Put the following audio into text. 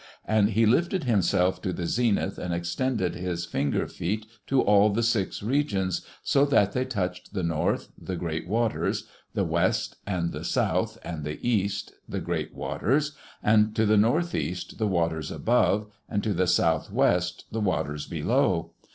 And he lifted himself to the zenith and extended his fingerfeet to all the six regions, so that they touched the north, the great waters; the west, and the south, and the east, the great waters; and to the northeast the waters above, and to the southwest the waters below.